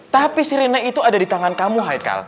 tapi si rina itu ada di tangan kamu haikal